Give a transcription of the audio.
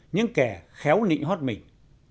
những kẻ khéo nịnh hót mình